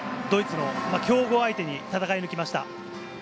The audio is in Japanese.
ドイツの強豪相手に戦い抜きました。